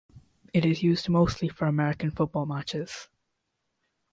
It is used mostly for American football matches.